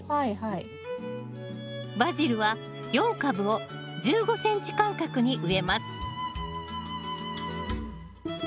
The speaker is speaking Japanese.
バジルは４株を１５ｃｍ間隔に植えます